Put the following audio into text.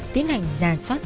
tiến hành giả soát